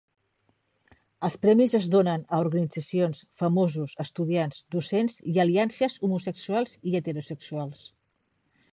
Els premis es donen a organitzacions, famosos, estudiants, docents i aliances homosexuals i heterosexuals.